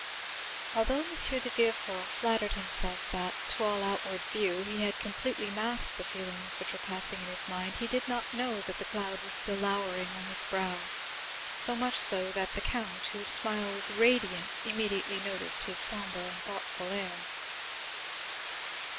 Although M. de Villefort flattered himself that, to all outward view, he had completely masked the feelings which were passing in his mind, he did not know that the cloud was still lowering on his brow, so much so that the count, whose smile was radiant, immediately noticed his sombre and thoughtful air.